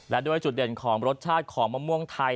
และด้วยจุดเด่นของรสชาติของมะม่วงไทย